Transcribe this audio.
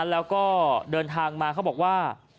แล้วก็เดินทางมาเขาบอกว่า